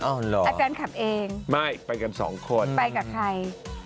อาจารย์ขับเองไม่ไปกันสองคนไปกับใคร